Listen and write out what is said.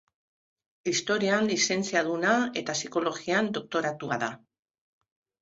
Historian lizentziaduna eta Psikologian doktoratua da.